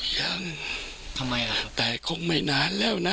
ยังแต่คงไม่นานแล้วนะ